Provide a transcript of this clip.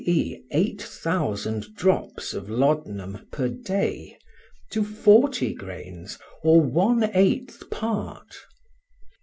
e_. eight thousand drops of laudanum) per day, to forty grains, or one eighth part.